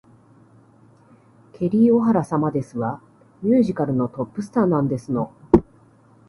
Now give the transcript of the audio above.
ケリー・オハラ様ですわ。ミュージカルのトップスターなんですの